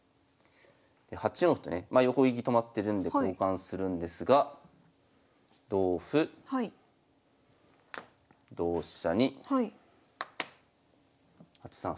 で８四歩とね横利き止まってるんで交換するんですが同歩同飛車に８三歩。